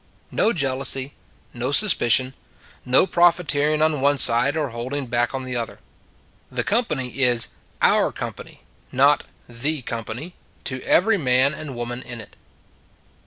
No jealousy, no suspicion. No profi teering on one side, or holding back on the other. The company is our company, not the company, to every man and woman in it.